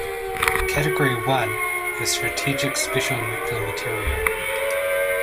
Category One is strategic special nuclear material.